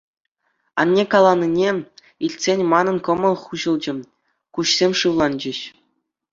Анне каланине илтсен манӑн кӑмӑл хуҫӑлчӗ, куҫсем шывланчӗҫ.